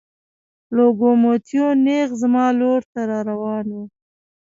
لوکوموتیو نېغ زما لور ته را روان و.